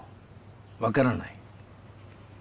分からない。